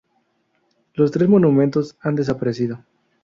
Los tres monumentos han desaparecido.